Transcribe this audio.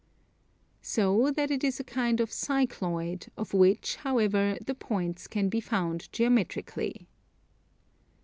So that it is a kind of Cycloid, of which, however, the points can be found geometrically.